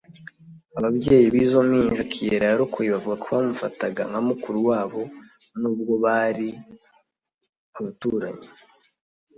Ababyeyi b’izo mpinja Kiera yarokoye bavuze ko bamufataga nka mukuru wabo n’ubwo bari abaturanyi